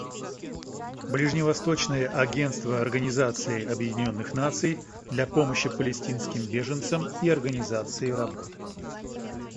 Ближневосточное агентство Организации Объединенных Наций для помощи палестинским беженцам и организации работ.